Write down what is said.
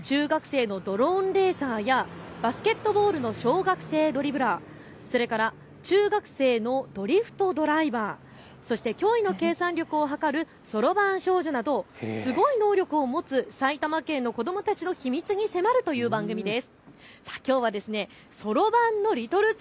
埼玉リトル超人ということで中学生ドローンレーサーやバスケットボールの小学生ドリブラーそれから中学生のドリフトドライバーそして驚異の計算力を誇るそろばん少女などすごい能力を持つ埼玉県の子どもたちの秘密に迫るという番組です。